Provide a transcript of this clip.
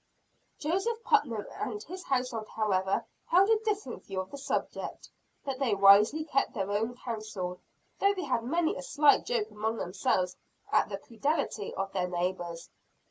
Joseph Putnam, and his household however held a different view of the subject, but they wisely kept their own counsel; though they had many a sly joke among themselves at the credulity of their neighbors.